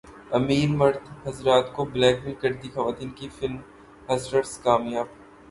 امیر مرد حضرات کو بلیک میل کرتی خواتین کی فلم ہسلرز کامیاب